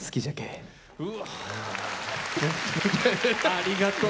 ありがとう。